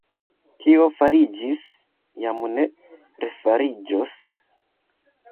Kio fariĝis, jam ne refariĝos.